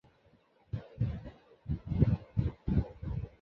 এই দুটি কোণের মাধ্যমে ভূপৃষ্ঠের যেকোন স্থানের আনুভূমিক অবস্থান নির্ণয় করা সম্ভব।